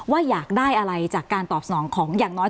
อยากได้อะไรจากการตอบสนองของอย่างน้อย